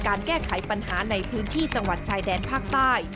แก้ไขปัญหาในพื้นที่จังหวัดชายแดนภาคใต้